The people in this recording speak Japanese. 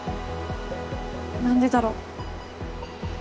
何でだろう。